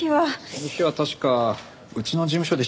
その日は確かうちの事務所で取材を。